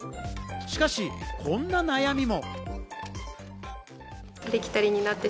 しかし、こんな悩みも。